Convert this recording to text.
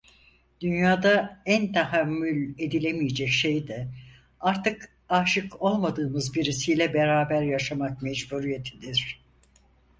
Dünyada en tahammül edilemeyecek şey de artık aşık olmadığımız birisiyle beraber yaşamak mecburiyetidir.